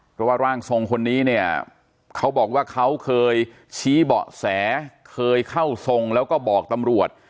เพราะว่าร่างทรงคนนี้เนี่ยเขาบอกว่าเขาเคยชี้เบาะแสเคยเข้าทรงแล้วก็บอกตำรวจ